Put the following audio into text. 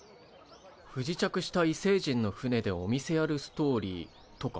不時着した異星人の船でお店やるストーリーとか。